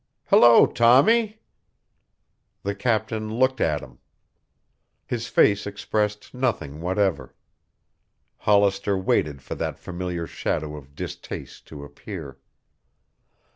"Hello, Tommy." The captain looked at him. His face expressed nothing whatever. Hollister waited for that familiar shadow of distaste to appear.